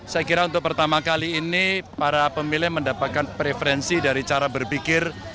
saya kira untuk pertama kali ini para pemilih mendapatkan preferensi dari cara berpikir